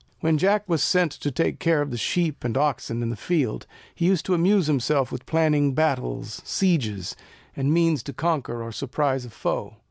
When Jack was sent to take care of the sheep and oxen in the fields, he used to amuse himself with planning battles, sieges, and the means to conquer or surprise a foe.